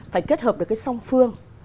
phải kết hợp được cái song phương